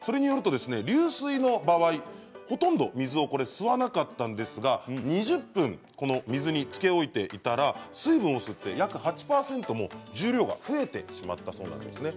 流水の場合ほとんど水を吸わなかったんですが２０分水につけ置いていたら水分を吸って約８％も重量が増えてしまったそうなんですね。